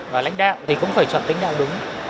và lãnh đạo thì cũng phải chọn lãnh đạo đúng